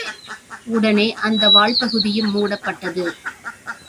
உடனே அந்த வால்பகுதியும் மூடப்பட்டது.